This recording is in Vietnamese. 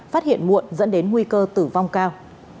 phát hiện muộn dẫn đến nguy cơ tử vong cao